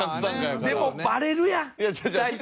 でもバレるやん大体。